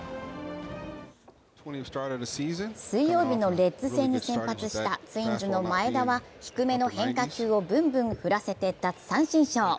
水曜日のレッズ戦に先発したツインズの前田は低めの変化球をブンブン振らせて奪三振ショー。